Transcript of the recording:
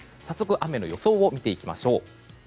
早速、雨の予想を見ていきましょう。